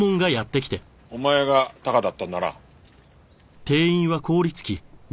お前がタカだったんだな。